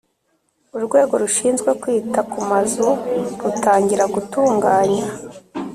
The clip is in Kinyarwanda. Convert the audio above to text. Urwego Rushinzwe Kwita ku Mazu rutangira gutunganya